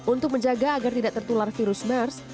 untuk menjaga agar tidak tertular virus mers